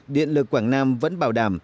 điện lực quảng nam vẫn bảo đảm